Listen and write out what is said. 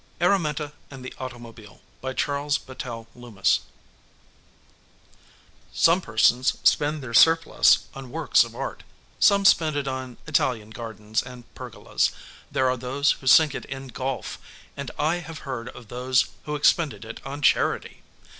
ARAMINTA AND THE AUTOMOBILE BY CHARLES BATTELL LOOMIS Some persons spend their surplus on works of art; some spend it on Italian gardens and pergolas; there are those who sink it in golf, and I have heard of those who expended it on charity.